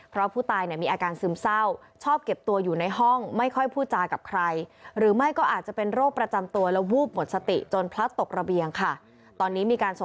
เพราะผู้ตายมีอาการซึมเศร้าชอบเก็บตัวอยู่ในห้องไม่ค่อยพูดจากับใคร